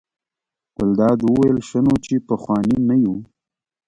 ګلداد وویل: ښه نو چې پخواني نه یو.